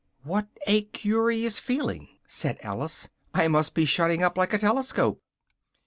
"What a curious feeling!" said Alice, "I must be shutting up like a telescope."